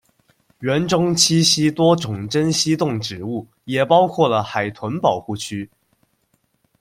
园内栖息多种珍稀动植物，也包括了海豚保护区。